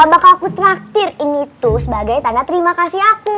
bakal aku traktir ini tuh sebagai tanda terima kasih aku